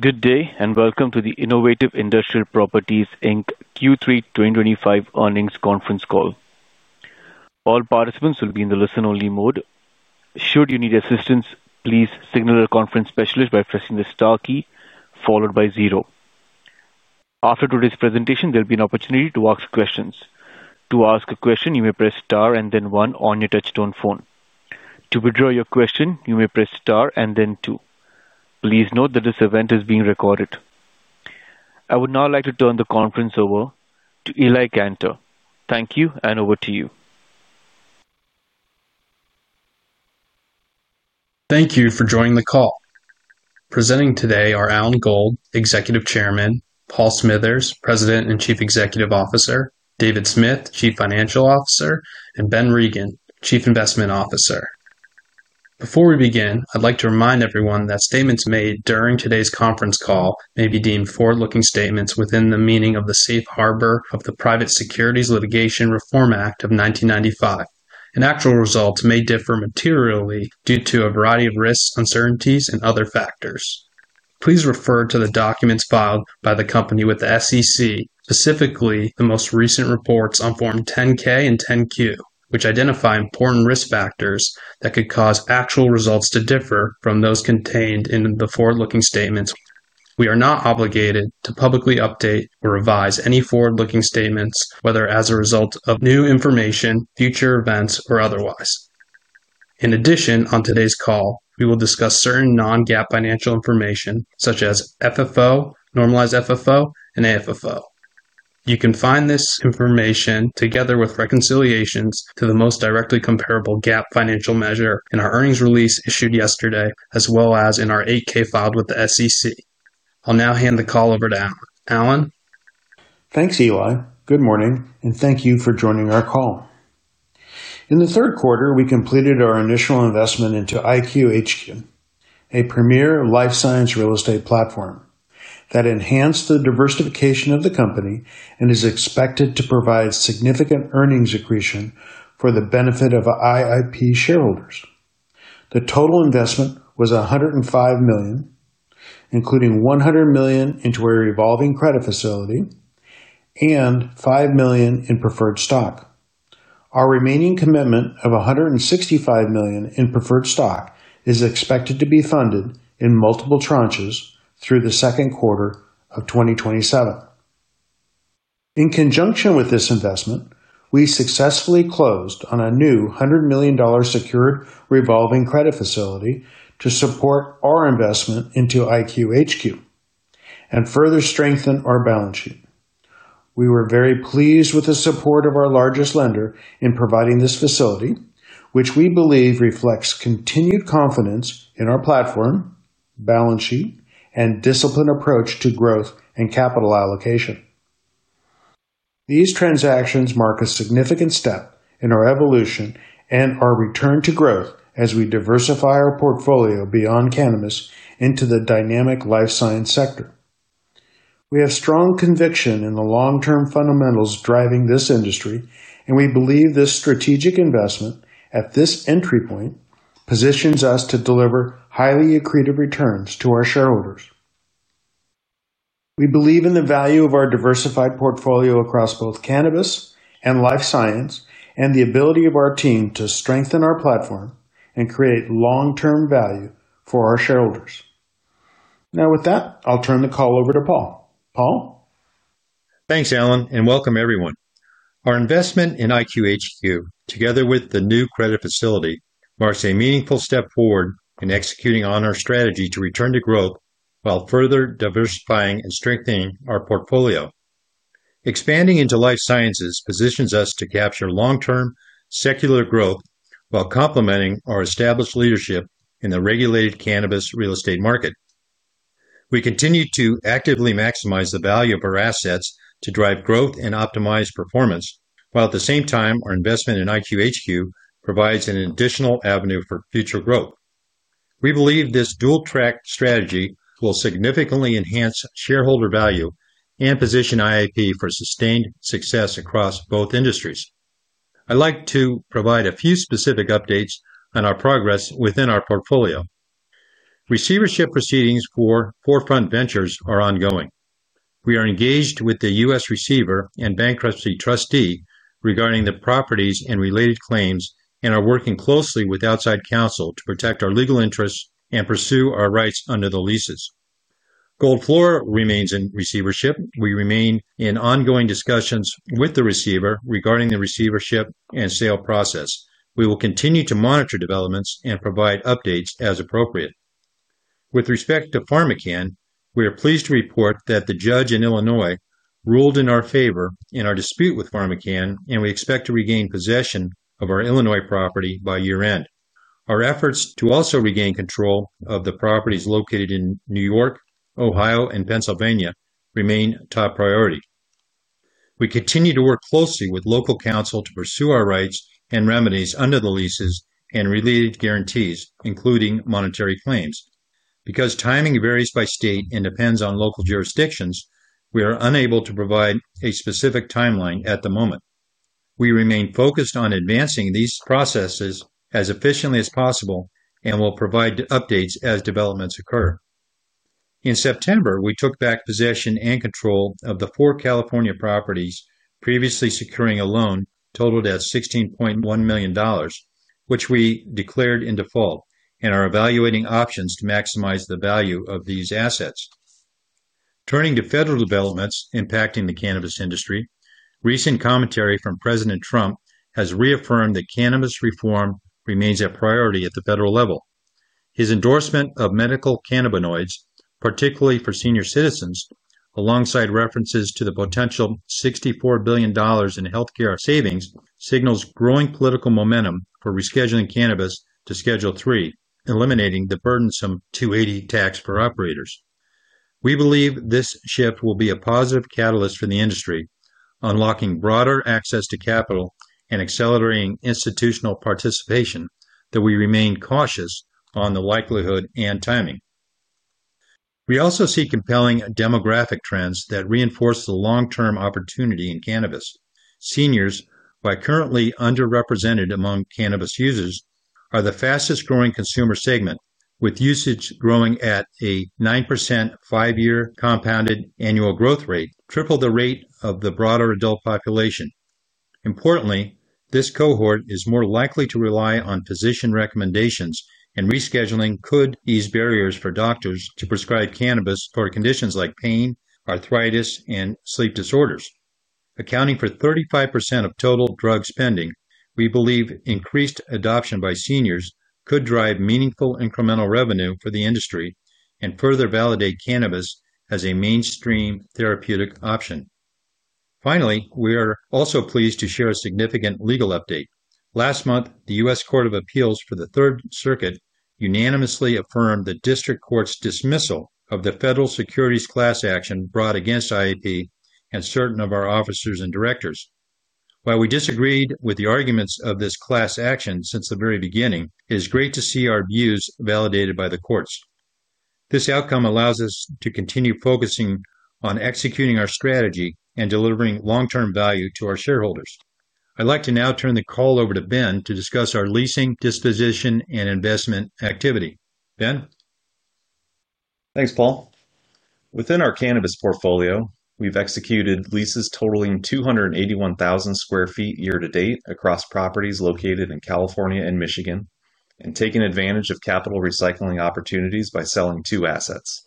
Good day and welcome to the Innovative Industrial Properties Inc Q3 2025 earnings conference call. All participants will be in the listen-only mode. Should you need assistance, please signal your conference specialist by pressing the star key followed by zero. After today's presentation, there will be an opportunity to ask questions. To ask a question, you may press star and then one on your touchtone phone. To withdraw your question, you may press star and then two. Please note that this event is being recorded. I would now like to turn the conference over to Eli Kanter. Thank you, and over to you. Thank you for joining the call. Presenting today are Alan Gold, Executive Chairman; Paul Smithers, President and Chief Executive Officer; David Smith, Chief Financial Officer; and Ben Regin, Chief Investment Officer. Before we begin, I'd like to remind everyone that statements made during today's conference call may be deemed forward-looking statements within the meaning of the Safe Harbor of the Private Securities Litigation Reform Act of 1995, and actual results may differ materially due to a variety of risks, uncertainties, and other factors. Please refer to the documents filed by the company with the SEC, specifically the most recent reports on Form 10-K and 10-Q, which identify important risk factors that could cause actual results to differ from those contained in the forward-looking statements. We are not obligated to publicly update or revise any forward-looking statements, whether as a result of new information, future events, or otherwise. In addition, on today's call, we will discuss certain non-GAAP financial information such as FFO, normalized FFO, and AFFO. You can find this information together with reconciliations to the most directly comparable GAAP financial measure in our earnings release issued yesterday, as well as in our 8-K filed with the SEC. I'll now hand the call over to Alan. Alan. Thanks, Eli. Good morning, and thank you for joining our call. In the third quarter, we completed our initial investment into IQHQ, a premier life science real estate platform that enhanced the diversification of the company and is expected to provide significant earnings accretion for the benefit of IIP shareholders. The total investment was $105 million, including $100 million into a revolving credit facility and $5 million in preferred stock. Our remaining commitment of $165 million in preferred stock is expected to be funded in multiple tranches through the second quarter of 2027. In conjunction with this investment, we successfully closed on a new $100 million secured revolving credit facility to support our investment into IQHQ and further strengthen our balance sheet. We were very pleased with the support of our largest lender in providing this facility, which we believe reflects continued confidence in our platform, balance sheet, and disciplined approach to growth and capital allocation. These transactions mark a significant step in our evolution and our return to growth as we diversify our portfolio beyond cannabis into the dynamic life science sector. We have strong conviction in the long-term fundamentals driving this industry, and we believe this strategic investment at this entry point positions us to deliver highly accretive returns to our shareholders. We believe in the value of our diversified portfolio across both cannabis and life science and the ability of our team to strengthen our platform and create long-term value for our shareholders. Now, with that, I'll turn the call over to Paul. Paul. Thanks, Alan, and welcome everyone. Our investment in IQHQ, together with the new credit facility, marks a meaningful step forward in executing on our strategy to return to growth while further diversifying and strengthening our portfolio. Expanding into life sciences positions us to capture long-term secular growth while complementing our established leadership in the regulated cannabis real estate market. We continue to actively maximize the value of our assets to drive growth and optimize performance, while at the same time, our investment in IQHQ provides an additional avenue for future growth. We believe this dual-track strategy will significantly enhance shareholder value and position IIP for sustained success across both industries. I'd like to provide a few specific updates on our progress within our portfolio. Receivership proceedings for 4Front Ventures are ongoing. We are engaged with the U.S. receiver and bankruptcy trustee regarding the properties and related claims and are working closely with outside counsel to protect our legal interests and pursue our rights under the leases. GOLD FLORA remains in receivership. We remain in ongoing discussions with the receiver regarding the receivership and sale process. We will continue to monitor developments and provide updates as appropriate. With respect to PharmaCann, we are pleased to report that the judge in Illinois ruled in our favor in our dispute with PharmaCann, and we expect to regain possession of our Illinois property by year-end. Our efforts to also regain control of the properties located in New York, Ohio, and Pennsylvania remain top priority. We continue to work closely with local counsel to pursue our rights and remedies under the leases and related guarantees, including monetary claims. Because timing varies by state and depends on local jurisdictions, we are unable to provide a specific timeline at the moment. We remain focused on advancing these processes as efficiently as possible and will provide updates as developments occur. In September, we took back possession and control of the four California properties previously securing a loan totaled at $16.1 million, which we declared in default, and are evaluating options to maximize the value of these assets. Turning to federal developments impacting the cannabis industry, recent commentary from President Trump has reaffirmed that cannabis reform remains a priority at the federal level. His endorsement of medical cannabinoids, particularly for senior citizens, alongside references to the potential $64 billion in healthcare savings, signals growing political momentum for rescheduling cannabis to Schedule III, eliminating the burdensome 280E tax for operators. We believe this shift will be a positive catalyst for the industry, unlocking broader access to capital and accelerating institutional participation, though we remain cautious on the likelihood and timing. We also see compelling demographic trends that reinforce the long-term opportunity in cannabis. Seniors, while currently underrepresented among cannabis users, are the fastest-growing consumer segment, with usage growing at a 9% five-year compounded annual growth rate, triple the rate of the broader adult population. Importantly, this cohort is more likely to rely on physician recommendations, and rescheduling could ease barriers for doctors to prescribe cannabis for conditions like pain, arthritis, and sleep disorders. Accounting for 35% of total drug spending, we believe increased adoption by seniors could drive meaningful incremental revenue for the industry and further validate cannabis as a mainstream therapeutic option. Finally, we are also pleased to share a significant legal update. Last month, the U.S. Court of Appeals for the Third Circuit unanimously affirmed the district court's dismissal of the federal securities class action brought against IIP and certain of our officers and directors. While we disagreed with the arguments of this class action since the very beginning, it is great to see our views validated by the courts. This outcome allows us to continue focusing on executing our strategy and delivering long-term value to our shareholders. I'd like to now turn the call over to Ben to discuss our leasing, disposition, and investment activity. Ben. Thanks, Paul. Within our cannabis portfolio, we've executed leases totaling 281,000 sq ft year-to-date across properties located in California and Michigan and taken advantage of capital recycling opportunities by selling two assets.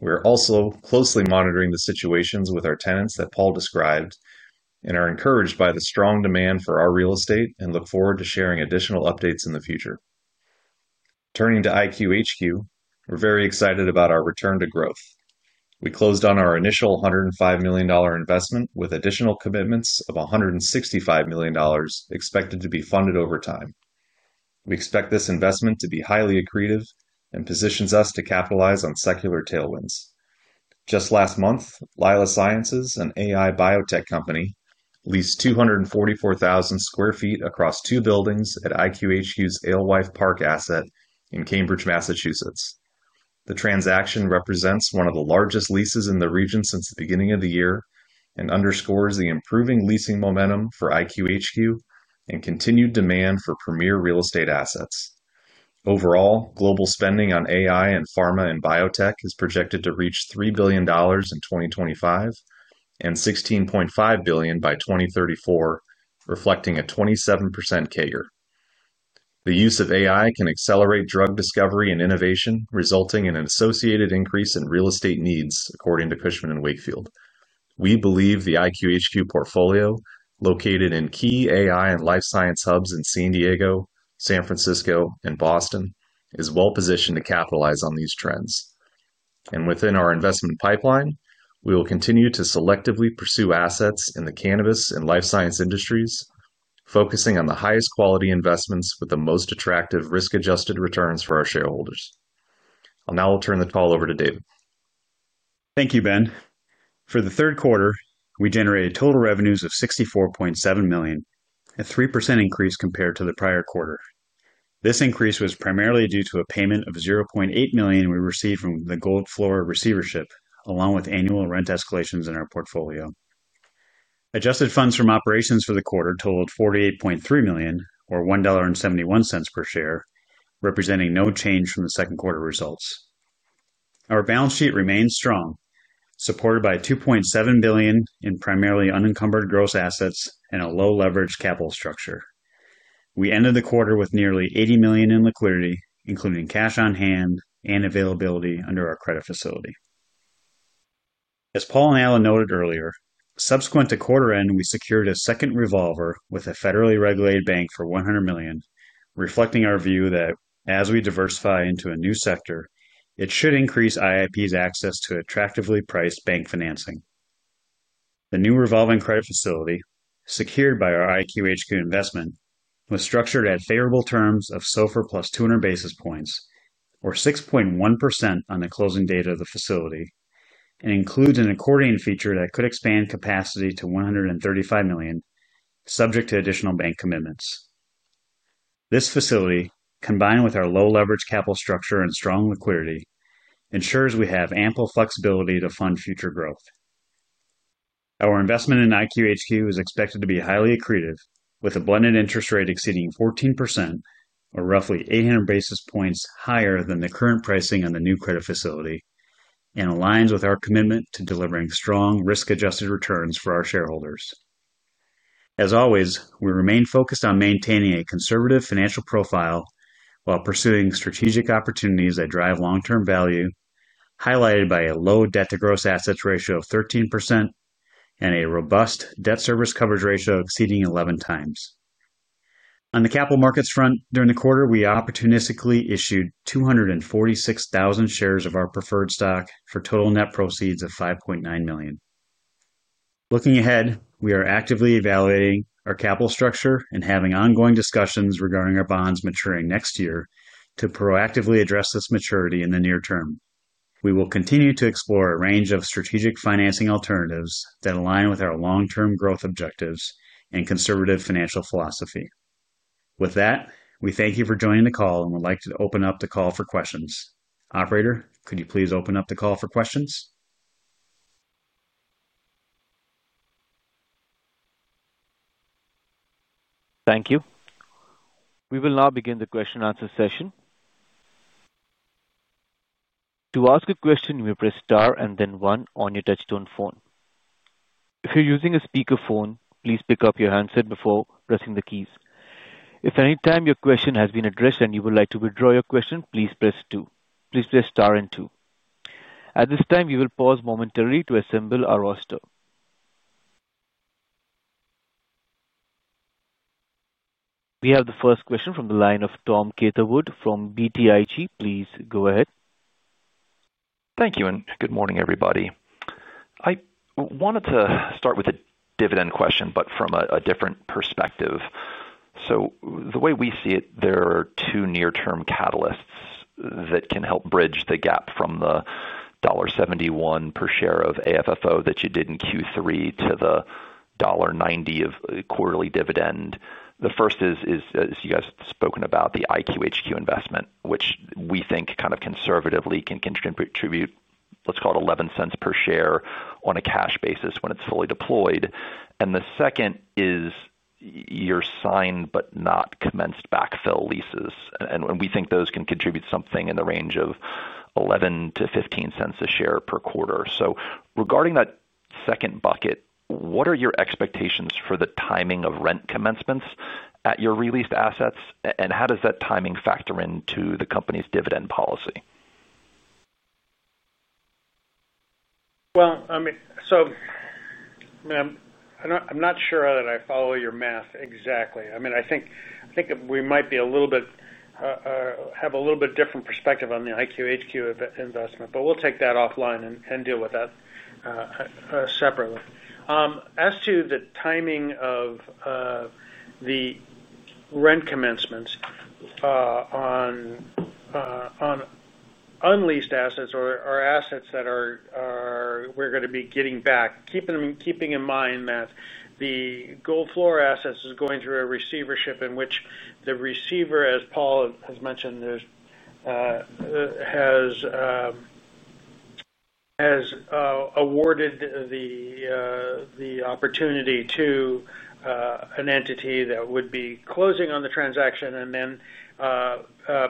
We're also closely monitoring the situations with our tenants that Paul described and are encouraged by the strong demand for our real estate and look forward to sharing additional updates in the future. Turning to IQHQ, we're very excited about our return to growth. We closed on our initial $105 million investment with additional commitments of $165 million expected to be funded over time. We expect this investment to be highly accretive and positions us to capitalize on secular tailwinds. Just last month, Lila Sciences, an AI biotech company, leased 244,000 sq ft across two buildings at IQHQ's Alewife Park asset in Cambridge, Massachusetts. The transaction represents one of the largest leases in the region since the beginning of the year and underscores the improving leasing momentum for IQHQ and continued demand for premier real estate assets. Overall, global spending on AI and pharma and biotech is projected to reach $3 billion in 2025 and $16.5 billion by 2034, reflecting a 27% CAGR. The use of AI can accelerate drug discovery and innovation, resulting in an associated increase in real estate needs, according to Cushman & Wakefield. We believe the IQHQ portfolio, located in key AI and life science hubs in San Diego, San Francisco, and Boston, is well-positioned to capitalize on these trends, and within our investment pipeline, we will continue to selectively pursue assets in the cannabis and life science industries, focusing on the highest quality investments with the most attractive risk-adjusted returns for our shareholders. I'll now turn the call over to David. Thank you, Ben. For the third quarter, we generated total revenues of $64.7 million, a 3% increase compared to the prior quarter. This increase was primarily due to a payment of $0.8 million we received from the GOLD FLORA receivership, along with annual rent escalations in our portfolio. Adjusted funds from operations for the quarter totaled $48.3 million, or $1.71 per share, representing no change from the second quarter results. Our balance sheet remains strong, supported by $2.7 billion in primarily unencumbered gross assets and a low-leverage capital structure. We ended the quarter with nearly $80 million in liquidity, including cash on hand and availability under our credit facility. As Paul and Alan noted earlier, subsequent to quarter-end, we secured a second revolver with a federally regulated bank for $100 million, reflecting our view that as we diversify into a new sector, it should increase IIP's access to attractively priced bank financing. The new revolving credit facility, secured by our IQHQ investment, was structured at favorable terms of SOFR plus 200 basis points, or 6.1% on the closing date of the facility, and includes an accordion feature that could expand capacity to $135 million, subject to additional bank commitments. This facility, combined with our low-leverage capital structure and strong liquidity, ensures we have ample flexibility to fund future growth. Our investment in IQHQ is expected to be highly accretive, with a blended interest rate exceeding 14%, or roughly 800 basis points higher than the current pricing on the new credit facility, and aligns with our commitment to delivering strong risk-adjusted returns for our shareholders. As always, we remain focused on maintaining a conservative financial profile while pursuing strategic opportunities that drive long-term value, highlighted by a low debt-to-gross assets ratio of 13% and a robust debt service coverage ratio exceeding 11x. On the capital markets front, during the quarter, we opportunistically issued 246,000 shares of our preferred stock for total net proceeds of $5.9 million. Looking ahead, we are actively evaluating our capital structure and having ongoing discussions regarding our bonds maturing next year to proactively address this maturity in the near term. We will continue to explore a range of strategic financing alternatives that align with our long-term growth objectives and conservative financial philosophy. With that, we thank you for joining the call and would like to open up the call for questions. Operator, could you please open up the call for questions? Thank you. We will now begin the question-and-answer session. To ask a question, you may press star and then one on your touch-tone phone. If you're using a speakerphone, please pick up your handset before pressing the keys. If at any time your question has been addressed and you would like to withdraw your question, please press two. Please press star and two. At this time, we will pause momentarily to assemble our roster. We have the first question from the line of Tom Catherwood from BTIG. Please go ahead. Thank you, and good morning, everybody. I wanted to start with a dividend question, but from a different perspective. So the way we see it, there are two near-term catalysts that can help bridge the gap from the $1.71 per share of AFFO that you did in Q3 to the $1.90 of quarterly dividend. The first is, as you guys have spoken about, the IQHQ investment, which we think kind of conservatively can contribute, let's call it, $0.11 per share on a cash basis when it's fully deployed. And the second is your signed but not commenced backfill leases. And we think those can contribute something in the range of $0.11-$0.15 a share per quarter. So regarding that second bucket, what are your expectations for the timing of rent commencements at your re-leased assets, and how does that timing factor into the company's dividend policy? Well, I mean, so, I'm not sure that I follow your math exactly. I mean, I think we might have a little bit different perspective on the IQHQ investment, but we'll take that offline and deal with that separately. As to the timing of the rent commencements on unleased assets or assets that we're going to be getting back, keeping in mind that the GOLD FLORA assets is going through a receivership in which the receiver, as Paul has mentioned, has awarded the opportunity to an entity that would be closing on the transaction and then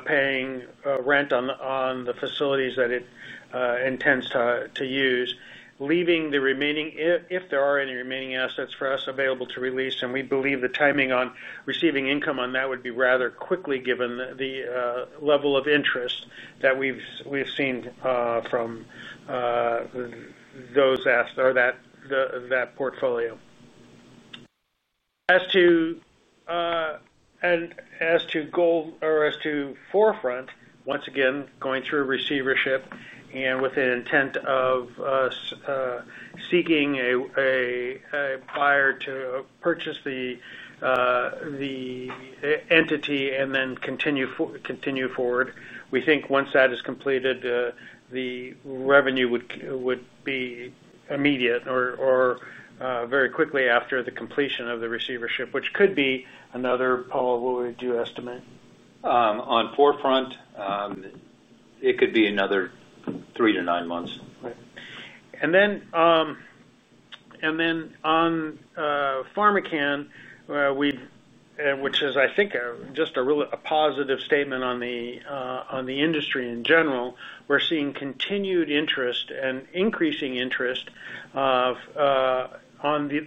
paying rent on the facilities that it intends to use, leaving the remaining, if there are any remaining assets for us available to release. And we believe the timing on receiving income on that would be rather quickly given the level of interest that we've seen from those assets or that portfolio. As to GOLD FLORA or as to 4Front, once again, going through a receivership and with an intent of seeking a buyer to purchase the entity and then continue forward, we think once that is completed, the revenue would be immediate or very quickly after the completion of the receivership, which could be another, Paul, what would you estimate? On 4Front. It could be another three to nine months. Right. And then on PharmaCann, which is, I think, just a positive statement on the industry in general, we're seeing continued interest and increasing interest on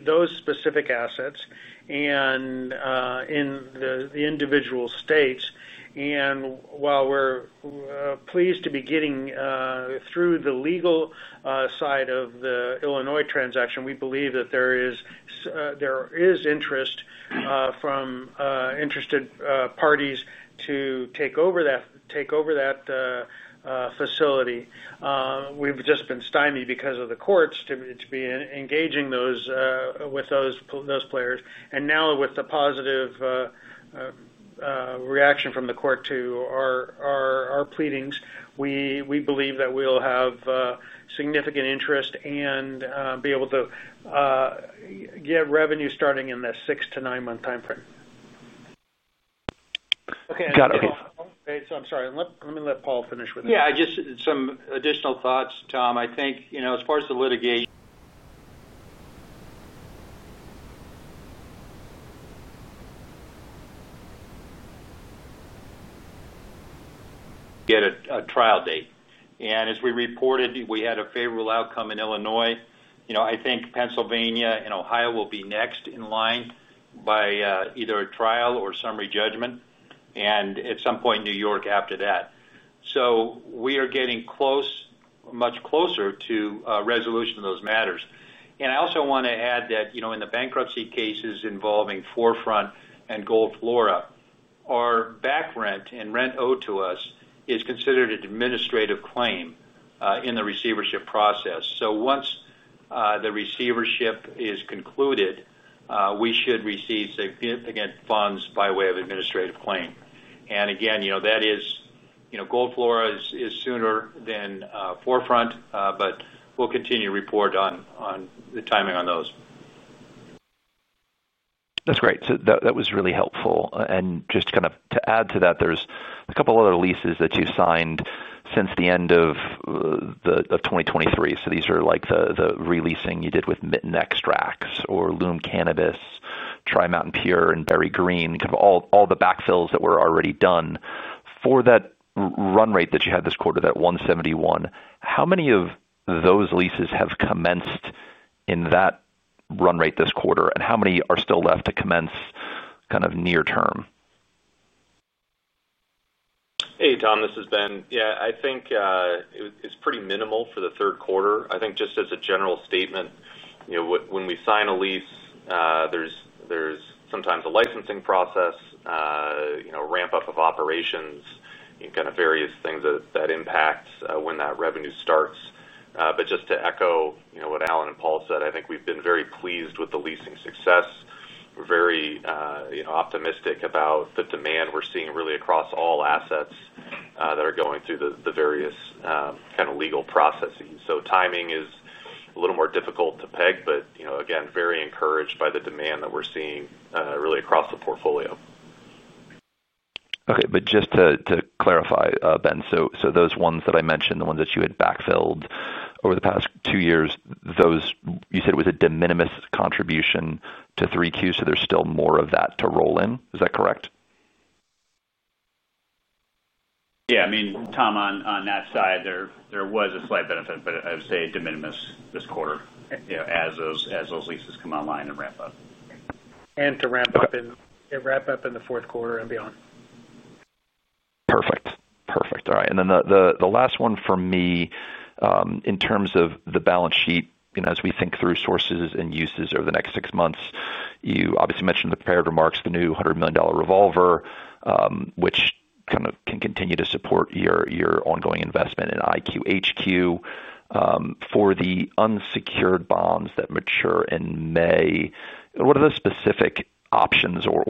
those specific assets and in the individual states. And while we're pleased to be getting through the legal side of the Illinois transaction, we believe that there is interest from interested parties to take over that facility. We've just been stymied because of the courts to be engaging with those players. And now, with the positive reaction from the court to our pleadings, we believe that we'll have significant interest and be able to get revenue starting in the six to nine-month timeframe. Okay. Okay. So I'm sorry. Let me let Paul finish with it. Yeah. Just some additional thoughts, Tom. I think as far as the litigation. Get a trial date. And as we reported, we had a favorable outcome in Illinois. I think Pennsylvania and Ohio will be next in line by either a trial or summary judgment, and at some point, New York after that. So we are getting much closer to resolution of those matters. And I also want to add that in the bankruptcy cases involving 4Front and GOLD FLORA, our back rent and rent owed to us is considered an administrative claim in the receivership process. So once the receivership is concluded, we should receive significant funds by way of administrative claim. And again, that is. GOLD FLORA is sooner than 4Front, but we'll continue to report on the timing on those. That's great. So that was really helpful. And just kind of to add to that, there's a couple other leases that you signed since the end of 2023. So these are like the re-leasing you did with Mint Extracts or Lume Cannabis, Try Mountain Pure, and Berry Green, kind of all the backfills that were already done. For that run rate that you had this quarter, that $1.71, how many of those leases have commenced in that run rate this quarter, and how many are still left to commence kind of near-term? Hey, Tom. This is Ben. Yeah. I think. It's pretty minimal for the third quarter. I think just as a general statement. When we sign a lease, there's sometimes a licensing process. Ramp-up of operations, kind of various things that impact when that revenue starts. But just to echo what Alan and Paul said, I think we've been very pleased with the leasing success. We're very optimistic about the demand we're seeing really across all assets that are going through the various kind of legal processes. So timing is a little more difficult to peg, but again, very encouraged by the demand that we're seeing really across the portfolio. Okay. But just to clarify, Ben, so those ones that I mentioned, the ones that you had backfilled over the past two years, you said it was a de minimis contribution to 3Q, so there's still more of that to roll in. Is that correct? Yeah. I mean, Tom, on that side, there was a slight benefit, but I would say de minimis this quarter as those leases come online and ramp up. To ramp up in the fourth quarter and beyond. Perfect. Perfect. All right. And then the last one for me, in terms of the balance sheet, as we think through sources and uses over the next six months, you obviously mentioned the prepared remarks, the new $100 million revolver, which kind of can continue to support your ongoing investment in IQHQ. For the unsecured bonds that mature in May, what are the specific options or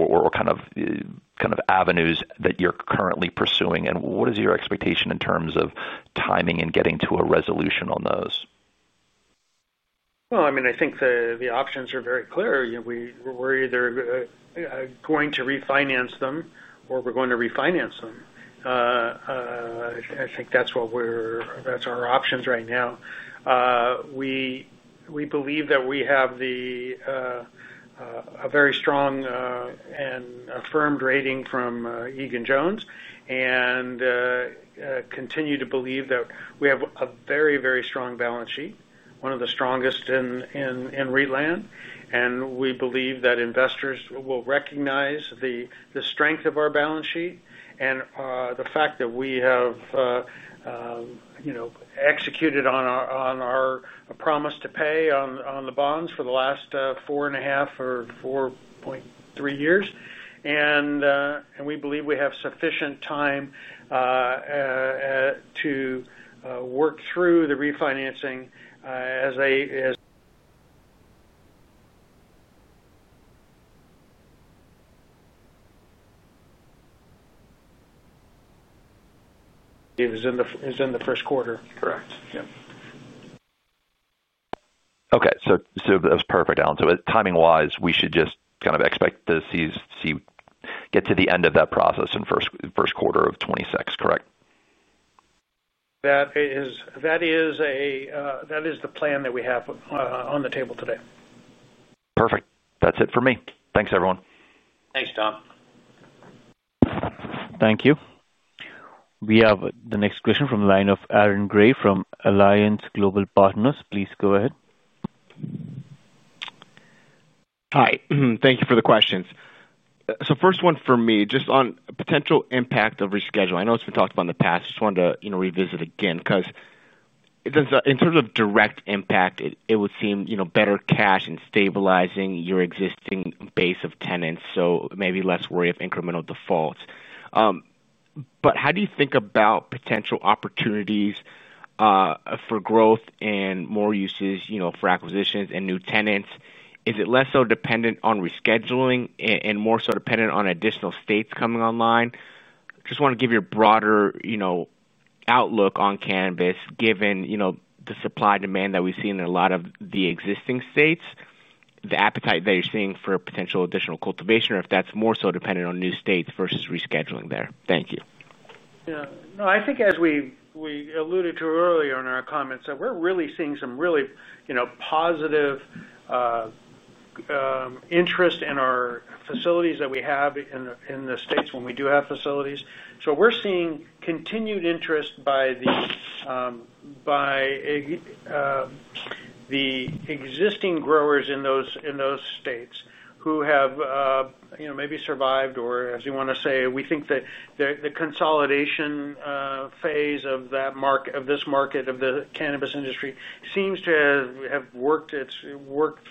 kind of avenues that you're currently pursuing, and what is your expectation in terms of timing and getting to a resolution on those? Well, I mean, I think the options are very clear. We're either going to refinance them or we're going to refinance them. I think that's what we're—that's our options right now. We believe that we have a very strong and affirmed rating from Egan-Jones and continue to believe that we have a very, very strong balance sheet, one of the strongest in REIT land. And we believe that investors will recognize the strength of our balance sheet and the fact that we have executed on our promise to pay on the bonds for the last four and a half or 4.3 years. And we believe we have sufficient time to work through the refinancing as is in the first quarter. Correct. Yep. Okay. So that was perfect, Alan. So timing-wise, we should just kind of expect to get to the end of that process in the first quarter of 2026, correct? That is. The plan that we have on the table today. Perfect. That's it for me. Thanks, everyone. Thanks, Tom. Thank you. We have the next question from the line of Aaron Grey from Alliance Global Partners. Please go ahead. Hi. Thank you for the questions. So first one for me, just on potential impact of rescheduling. I know it's been talked about in the past. I just wanted to revisit it again because in terms of direct impact, it would seem better cash and stabilizing your existing base of tenants, so maybe less worry of incremental defaults. But how do you think about potential opportunities for growth and more uses for acquisitions and new tenants? Is it less so dependent on rescheduling and more so dependent on additional states coming online? Just want to give you a broader outlook on cannabis given the supply demand that we've seen in a lot of the existing states, the appetite that you're seeing for potential additional cultivation, or if that's more so dependent on new states versus rescheduling there. Thank you. Yeah. No, I think as we alluded to earlier in our comments, that we're really seeing some really positive interest in our facilities that we have in the states when we do have facilities. So we're seeing continued interest by the existing growers in those states who have maybe survived or, as you want to say, we think that the consolidation phase of this market of the cannabis industry seems to have worked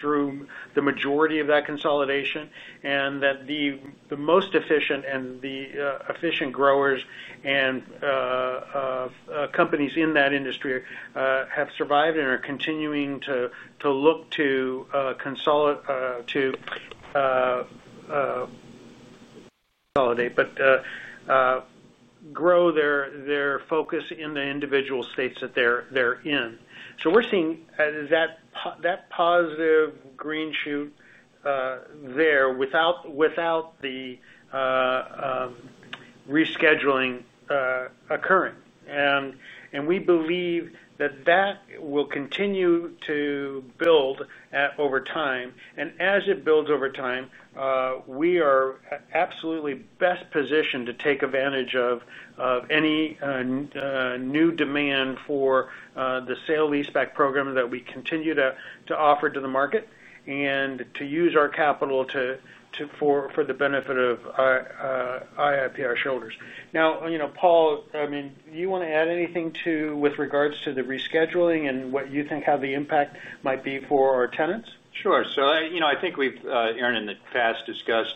through the majority of that consolidation and that the most efficient growers and companies in that industry have survived and are continuing to look to consolidate, but grow their focus in the individual states that they're in. So we're seeing that positive green shoot there without the rescheduling occurring. And we believe that that will continue to build over time. And as it builds over time, we are absolutely best positioned to take advantage of any new demand for the sale lease-back program that we continue to offer to the market and to use our capital for the benefit of IIPR shareholders. Now, Paul, I mean, do you want to add anything with regards to the rescheduling and what you think how the impact might be for our tenants? Sure. So I think we've, Aaron, in the past discussed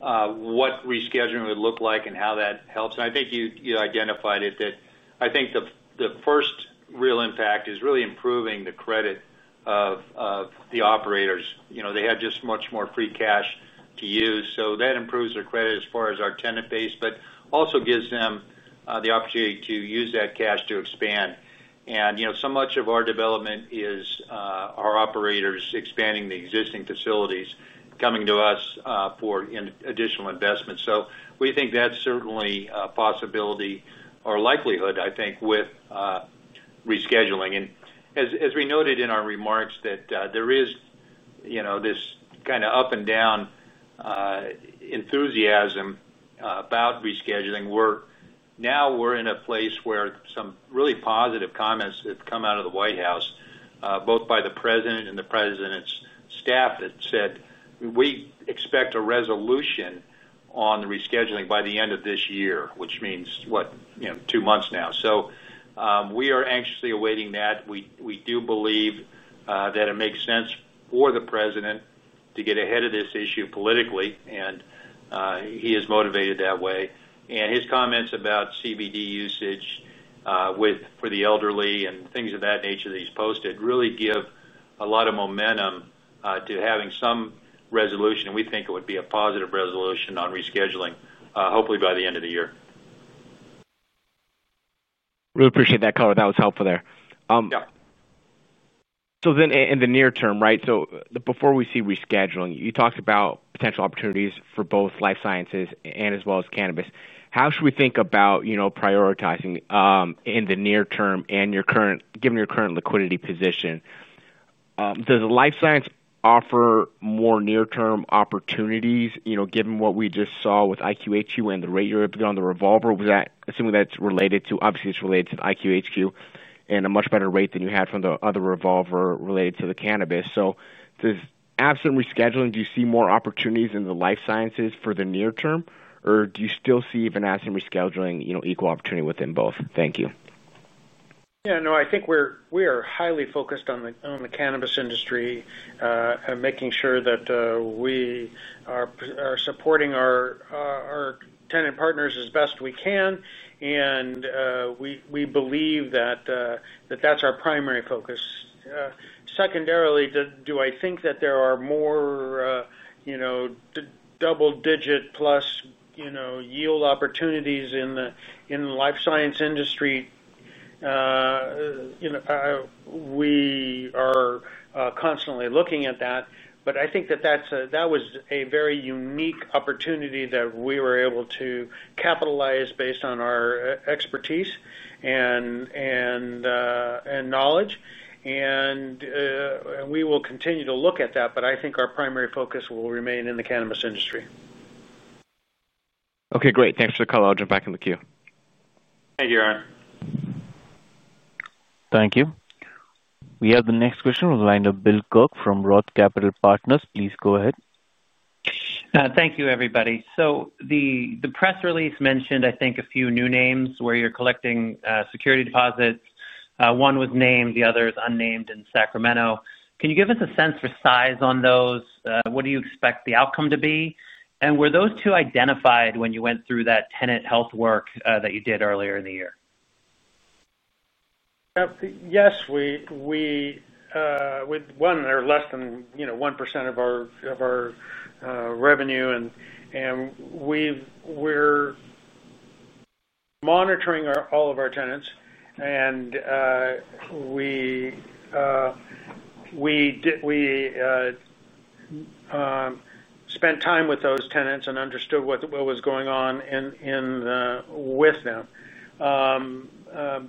what rescheduling would look like and how that helps. And I think you identified it that I think the first real impact is really improving the credit of the operators. They had just much more free cash to use. So that improves their credit as far as our tenant base, but also gives them the opportunity to use that cash to expand. And so much of our development is our operators expanding the existing facilities, coming to us for additional investment. So we think that's certainly a possibility or likelihood, I think, with rescheduling. And as we noted in our remarks, that there is this kind of up and down enthusiasm about rescheduling. Now we're in a place where some really positive comments have come out of the White House, both by the president and the president's staff that said, "We expect a resolution on the rescheduling by the end of this year," which means what, two months now. So we are anxiously awaiting that. We do believe that it makes sense for the president to get ahead of this issue politically, and he is motivated that way. And his comments about CBD usage for the elderly and things of that nature that he's posted really give a lot of momentum to having some resolution. And we think it would be a positive resolution on rescheduling, hopefully by the end of the year. Really appreciate that, Carter. That was helpful there. Yeah. So then in the near term, right, so before we see rescheduling, you talked about potential opportunities for both life sciences and as well as cannabis. How should we think about prioritizing in the near term and given your current liquidity position? Does life science offer more near-term opportunities given what we just saw with IQHQ and the rate you're able to get on the revolver? Assuming that's related to obviously, it's related to the IQHQ and a much better rate than you had from the other revolver related to the cannabis. So does absent rescheduling, do you see more opportunities in the life sciences for the near term, or do you still see even absent rescheduling equal opportunity within both? Thank you. Yeah. No, I think we are highly focused on the cannabis industry. And making sure that we are supporting our tenant partners as best we can. And we believe that that's our primary focus. Secondarily, do I think that there are more double-digit plus yield opportunities in the life science industry? We are constantly looking at that. But I think that that was a very unique opportunity that we were able to capitalize based on our expertise and knowledge. And we will continue to look at that, but I think our primary focus will remain in the cannabis industry. Okay. Great. Thanks for the call. I'll jump back in the queue. Thank you, Aaron. Thank you. We have the next question from the line of Bill Kirk from Roth Capital Partners. Please go ahead. Thank you, everybody. So the press release mentioned, I think, a few new names where you're collecting security deposits. One was named. The other is unnamed in Sacramento. Can you give us a sense for size on those? What do you expect the outcome to be? And were those two identified when you went through that tenant health work that you did earlier in the year? Yes. With one or less than 1% of our revenue. And we're monitoring all of our tenants. And we spent time with those tenants and understood what was going on with them.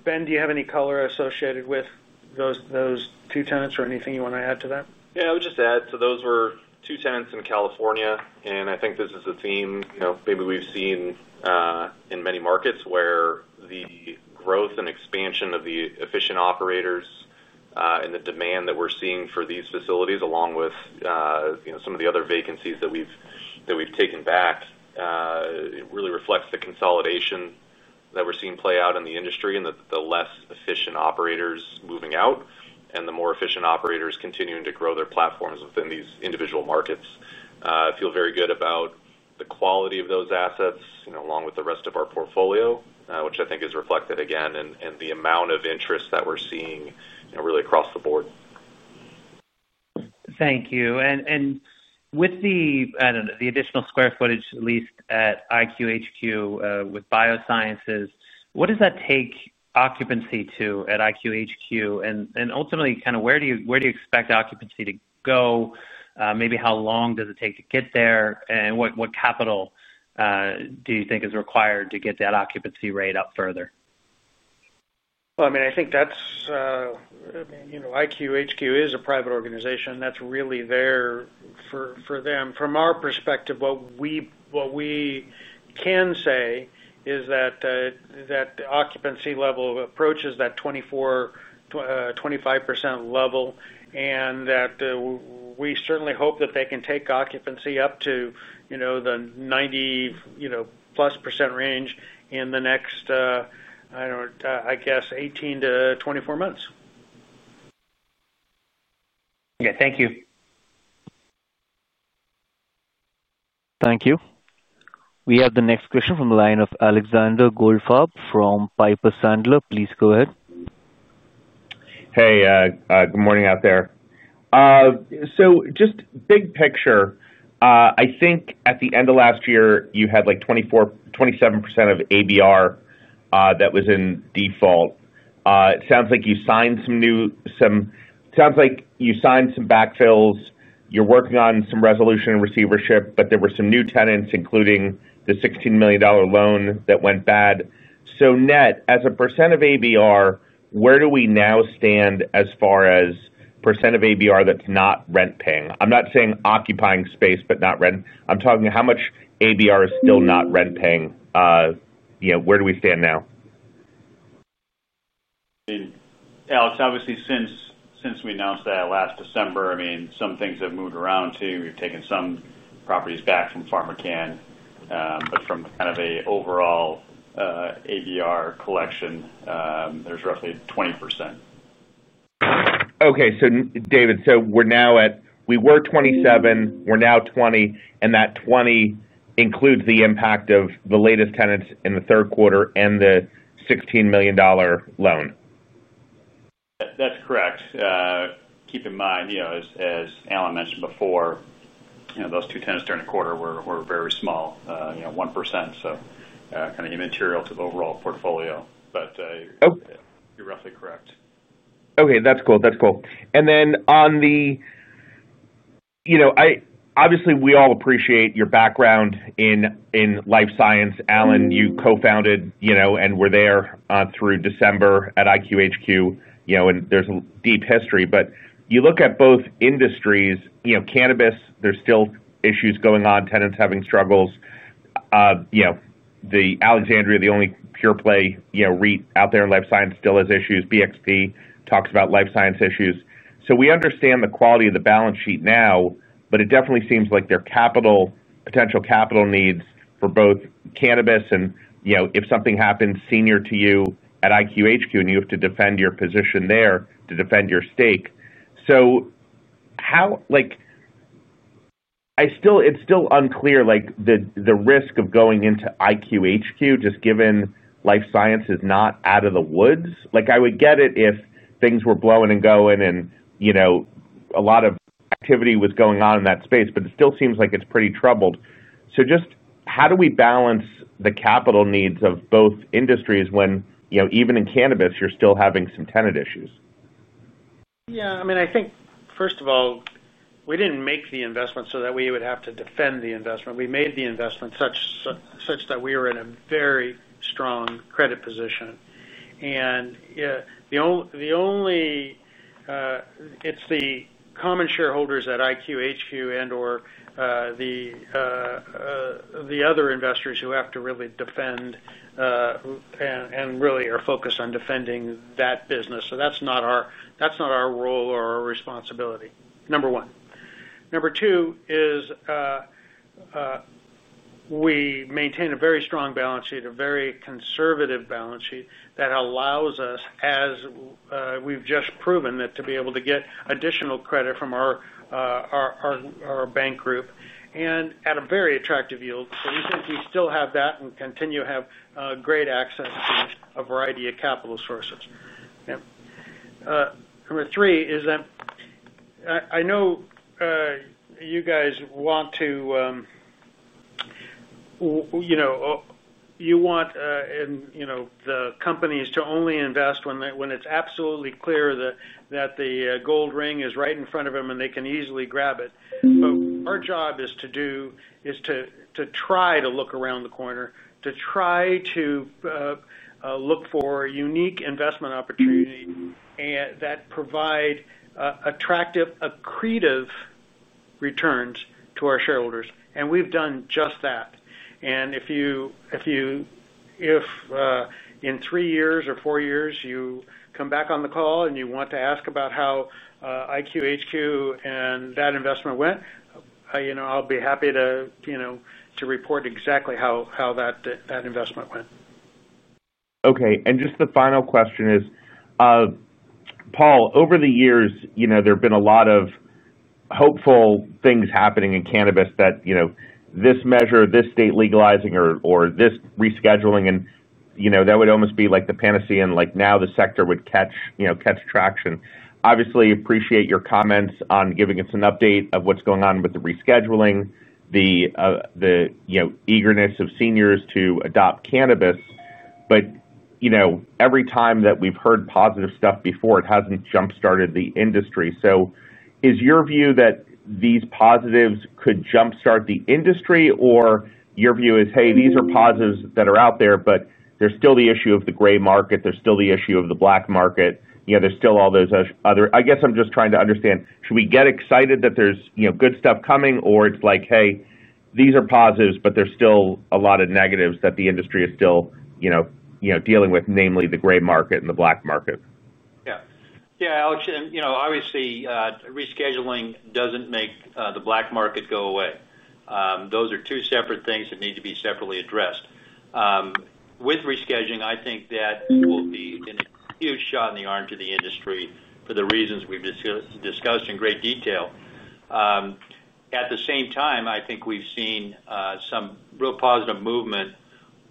Ben, do you have any color associated with those two tenants or anything you want to add to that? Yeah. I would just add to those were two tenants in California, and I think this is a theme maybe we've seen in many markets where the growth and expansion of the efficient operators and the demand that we're seeing for these facilities, along with some of the other vacancies that we've taken back, really reflects the consolidation that we're seeing play out in the industry and the less efficient operators moving out and the more efficient operators continuing to grow their platforms within these individual markets. I feel very good about the quality of those assets along with the rest of our portfolio, which I think is reflected again in the amount of interest that we're seeing really across the board. Thank you. And with the additional square footage leased at IQHQ with biosciences, what does that take occupancy to at IQHQ? And ultimately, kind of where do you expect occupancy to go? Maybe how long does it take to get there? And what capital do you think is required to get that occupancy rate up further? Well, I mean, I think that's. I mean, IQHQ is a private organization. That's really there for them. From our perspective, what we can say is that the occupancy level approaches that 24%-25% level and that we certainly hope that they can take occupancy up to the 90%+ range in the next, I guess, 18 to 24 months. Okay. Thank you. Thank you. We have the next question from the line of Alexander Goldfarb from Piper Sandler. Please go ahead. Hey. Good morning out there. So just big picture, I think at the end of last year, you had 27% of ABR that was in default. It sounds like you signed some. New sounds like you signed some backfills. You're working on some resolution and receivership, but there were some new tenants, including the $16 million loan that went bad. So net, as a percent of ABR, where do we now stand as far as percent of ABR that's not rent-paying? I'm not saying occupying space but not rent. I'm talking how much ABR is still not rent-paying. Where do we stand now? I mean, Alex, obviously, since we announced that last December, I mean, some things have moved around too. We've taken some properties back from PharmaCann. But from kind of an overall ABR collection, there's roughly 20%. Okay. So, David, so we're now at. We were 27%. We're now 20%. And that 20% includes the impact of the latest tenants in the third quarter and the $16 million loan. That's correct. Keep in mind, as Alan mentioned before, those two tenants during the quarter were very small, 1%, so kind of immaterial to the overall portfolio. But you're roughly correct. Okay. That's cool. That's cool. And then on the. Obviously, we all appreciate your background in life science. Alan, you co-founded and were there through December at IQHQ. And there's a deep history. But you look at both industries, cannabis. There's still issues going on, tenants having struggles. The Alexandria, the only pure-play REIT out there in life science, still has issues. BXP talks about life science issues. So we understand the quality of the balance sheet now, but it definitely seems like their potential capital needs for both cannabis and if something happens senior to you at IQHQ, and you have to defend your position there to defend your stake. So. It's still unclear the risk of going into IQHQ just given life science is not out of the woods. I would get it if things were blowing and going and. A lot of activity was going on in that space, but it still seems like it's pretty troubled. So just how do we balance the capital needs of both industries when even in cannabis, you're still having some tenant issues? Yeah. I mean, I think, first of all, we didn't make the investment so that we would have to defend the investment. We made the investment such that we were in a very strong credit position. And the only. It's the common shareholders at IQHQ and/or the other investors who have to really defend and really are focused on defending that business. So that's not our role or our responsibility, number one. Number two is we maintain a very strong balance sheet, a very conservative balance sheet that allows us, as we've just proven, to be able to get additional credit from our bank group and at a very attractive yield. So we still have that and continue to have great access to a variety of capital sources. Yeah. Number three is that I know you guys want to. You want the companies to only invest when it's absolutely clear that the gold ring is right in front of them and they can easily grab it. But our job is to try to look around the corner, to try to look for unique investment opportunities that provide attractive, accretive returns to our shareholders. And we've done just that. And if in three years or four years, you come back on the call and you want to ask about how IQHQ and that investment went, I'll be happy to report exactly how that investment went. Okay. And just the final question is, Paul, over the years, there have been a lot of hopeful things happening in cannabis that this measure, this state legalizing, or this rescheduling, and that would almost be like the panacea, and now the sector would catch traction. Obviously, appreciate your comments on giving us an update of what's going on with the rescheduling, the eagerness of seniors to adopt cannabis. But every time that we've heard positive stuff before, it hasn't jump-started the industry. So is your view that these positives could jump-start the industry, or your view is, "Hey, these are positives that are out there, but there's still the issue of the gray market. There's still the issue of the black market. There's still all those other." I guess I'm just trying to understand. Should we get excited that there's good stuff coming, or it's like, "Hey, these are positives, but there's still a lot of negatives that the industry is still dealing with, namely the gray market and the black market"? Yeah. Yeah, Alex. And obviously, rescheduling doesn't make the black market go away. Those are two separate things that need to be separately addressed. With rescheduling, I think that will be a huge shot in the arm to the industry for the reasons we've discussed in great detail. At the same time, I think we've seen some real positive movement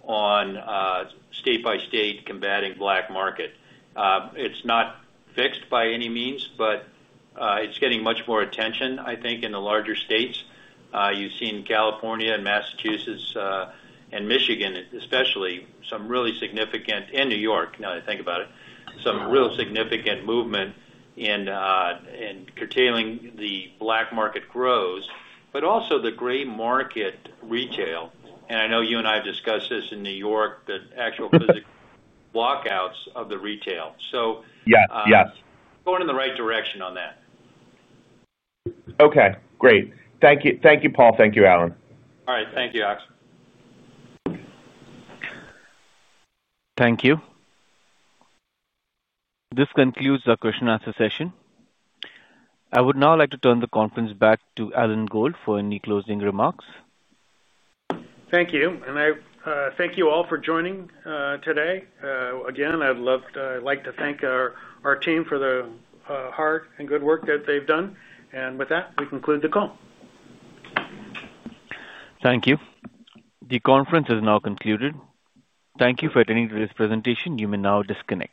on state-by-state combating black market. It's not fixed by any means, but it's getting much more attention, I think, in the larger states. You've seen California and Massachusetts and Michigan, especially, some really significant, and New York, now that I think about it, some real significant movement in curtailing the black market growth, but also the gray market retail. And I know you and I have discussed this in New York, the actual physical walkouts of the retail. So. Yes. Yes. We're going in the right direction on that. Okay. Great. Thank you, Paul. Thank you, Alan. All right. Thank you, Alex. Thank you. This concludes our question-and-answer session. I would now like to turn the conference back to Alan Gold for any closing remarks. Thank you. And I thank you all for joining today. Again, I'd like to thank our team for the hard and good work that they've done. And with that, we conclude the call. Thank you. The conference is now concluded. Thank you for attending today's presentation. You may now disconnect.